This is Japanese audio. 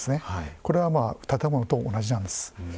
これは建物と同じなんです。